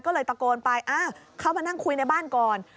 ก็เลยตะโกนไปอ้าวเข้ามานั่งคุยในบ้านก่อน